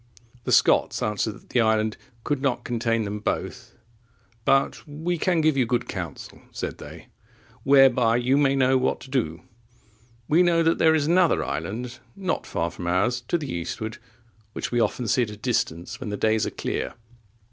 The Scots answered that the island could not contain them both; but "We can give you good counsel," said they, "whereby you may know what to do; we know there is another island, not far from ours, to the eastward, which we often see at a distance, when the days are clear.